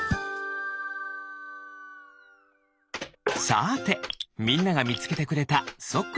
さてみんながみつけてくれたそっ